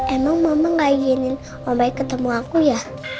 emang mama gak inginin om baik ketemu aku ya